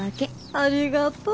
ありがとう。